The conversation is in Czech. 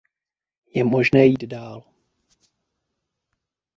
Je možné jít dál.